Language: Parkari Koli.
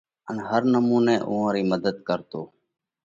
ان هر نمُونئہ اُوئا رئِي مڌت ڪرتو۔